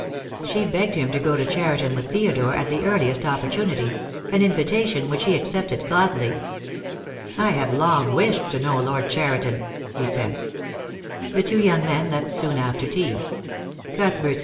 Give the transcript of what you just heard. She begged him to go to Cheriton with Theodore at the earliest opportunity — an invitation which he accepted gladly. "I have long wished to know Lord Cheriton," he said. The two young men left soon after tea. Cuthbert's THE DAY WILL COME.